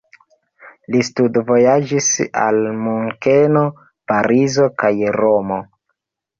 Li studvojaĝis al Munkeno, Parizo kaj Romo.